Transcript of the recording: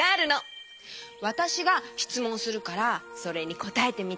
わたしがしつもんするからそれにこたえてみて。